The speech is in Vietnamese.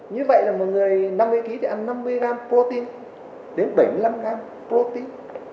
như vậy là một người năm mươi kg thì ăn năm mươi gram protein đến bảy mươi năm gram protein